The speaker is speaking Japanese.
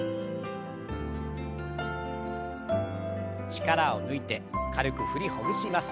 力を抜いて軽く振りほぐします。